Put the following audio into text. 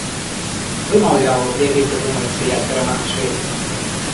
Вы, маўляў, лепей прыдумайце, як перамагчы!